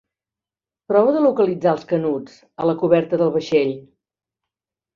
Prova de localitzar els Canuts a la coberta del vaixell.